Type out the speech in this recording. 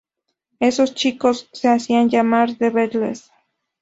Esos chicos se hacían llamar The Beatles.